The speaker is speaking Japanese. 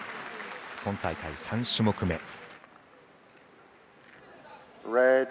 今大会３種目め。